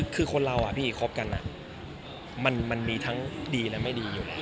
คือคนเราพี่คบกันมันมีทั้งดีและไม่ดีอยู่แล้ว